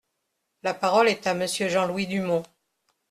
La parole est à Monsieur Jean-Louis Dumont.